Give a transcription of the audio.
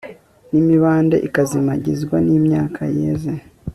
n'imibande ikazimagizwa n'imyaka yeze